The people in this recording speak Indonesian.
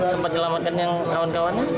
sempat dilamatkan yang kawan kawannya